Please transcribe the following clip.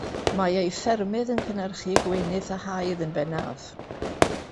Mae ei ffermydd yn cynhyrchu gwenith a haidd yn bennaf.